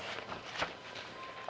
oke baik lah